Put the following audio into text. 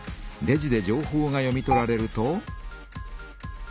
レジで情報が読み取られると。